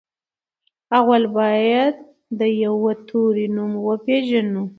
اول بايد د يوه توري نوم وپېژنو.